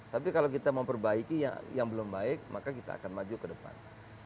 tapi kalau kita memperbaiki yang belum baik maka kita akan maju ke depan